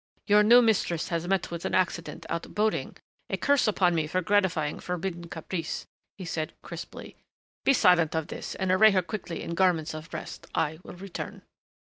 "Your new mistress has met with an accident, out boating a curse upon me for gratifying forbidden caprice!" he said crisply. "Be silent of this and array her quickly in garments of rest. I will return."